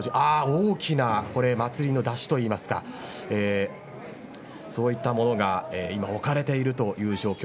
大きな祭りの山車といいますかそういった物が今、置かれているという状況。